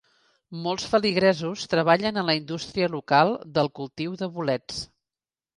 Molts feligresos treballen a la indústria local del cultiu de bolets.